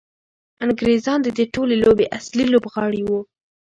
انګریزان د دې ټولې لوبې اصلي لوبغاړي وو.